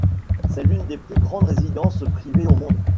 C'est l'une des plus grandes résidences privées au monde.